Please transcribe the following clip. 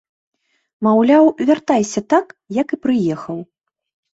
Маўляў, вяртайся так, як і прыехаў.